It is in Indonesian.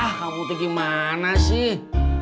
kamu tuh gimana sih